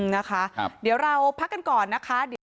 นะคะเดี๋ยวเราพักกันก่อนนะคะ